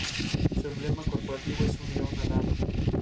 Enseña en Educación Secundaria Obligatoria.